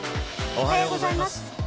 おはようございます。